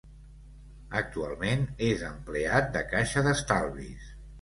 Actualment és empleat de caixa d'estalvis.